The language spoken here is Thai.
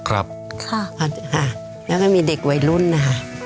แล้วก็มีเด็กวัยรุ่นนะ